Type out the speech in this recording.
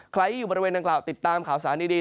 ใครอยู่บริเวณดังกล่าวติดตามข่าวสารดี